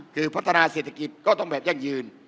คือพัฒนาเศรษฐกิจก็ต้องแบบยั่งยืน